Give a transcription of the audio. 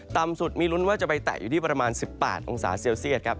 ต่ำสุดมีลุ้นว่าจะไปแตะอยู่ที่ประมาณ๑๘องศาเซลเซียตครับ